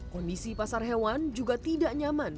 kondisi pasar hewan juga tidak nyaman